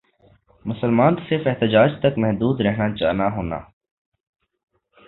مسلمان تو صرف احتجاج تک محدود رہنا جانا ہونا